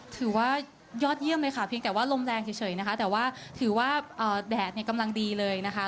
ถือว่ายอดเยี่ยมเลยค่ะเพียงแต่ว่าลมแรงเฉยนะคะแต่ว่าถือว่าแดดเนี่ยกำลังดีเลยนะคะ